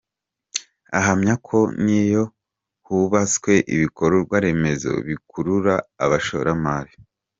Anahamya ko n’iyo hubatswe ibikorwaremezo bikurura abashoramari.